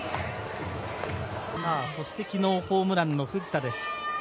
そして、昨日ホームランの藤田です。